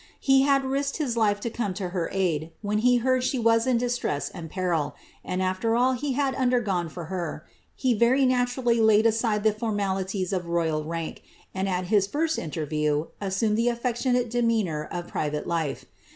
He had risked his life lo come lo her aid, wlipn he heard she was in distress and penl; and, after all he had undergone for lier, he very naturallv laid aside ihf formalities of royai rank, and at his first inlerview, assumed the atik lioiiaie demeanour of pri^'ale life.